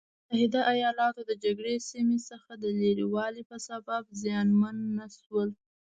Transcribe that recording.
متحده ایلاتو د جګړې سیمې څخه د لرې والي په سبب زیانمن نه شول.